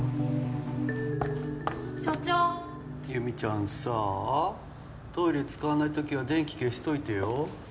所長ユミちゃんさあトイレ使わない時は電気消しといてよ